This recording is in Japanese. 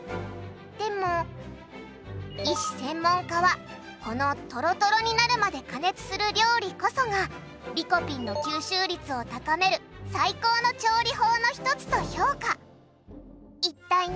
でも医師・専門家はこのとろとろになるまで加熱する料理こそがリコピンの吸収率を高める最高の調理法の一つと評価。